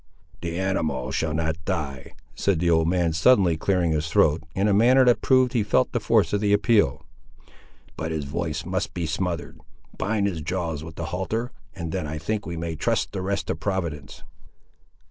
"The animal shall not die," said the old man, suddenly clearing his throat, in a manner that proved he felt the force of the appeal; "but his voice must be smothered. Bind his jaws with the halter, and then I think we may trust the rest to Providence."